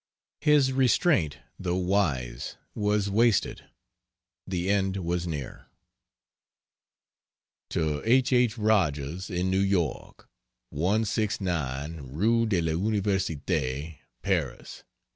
His restraint, though wise, was wasted the end was near. To H. H. Rogers, in New York: 169 RUE DE L'UNIVERSITE, PARIS, Dec.